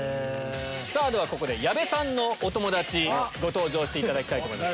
ではここで矢部さんのお友達登場していただきたいと思います。